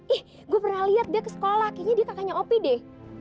ih gue pernah lihat dia ke sekolah kayaknya dia kakaknya ngopi deh